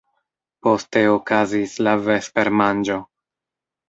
Poste okazis la vespermanĝo.